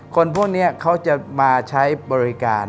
คนพวกนี้เขาจะมาใช้บริการ